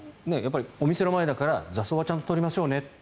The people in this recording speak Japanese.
お店の前だから雑草はちゃんと取りましょうねと。